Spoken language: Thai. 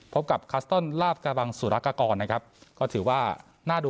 พบกับคัสเติ้ลลาบกระบังสุรกากรนะครับก็ถือว่าน่าดู